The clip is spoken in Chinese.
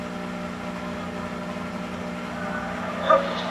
厚足荡镖水蚤为镖水蚤科荡镖水蚤属的动物。